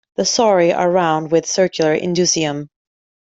The sori are round, with a circular indusium.